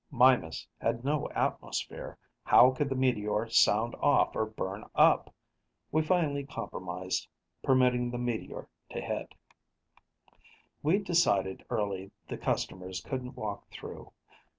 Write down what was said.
Mimas had no atmosphere how could the meteor sound off or burn up? We finally compromised, permitting the meteor to hit. We'd decided early the customers couldn't walk through.